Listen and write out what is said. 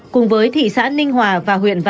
cùng với thị xã ninh hòa và huyện đồng nai